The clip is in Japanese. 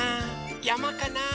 やまかな？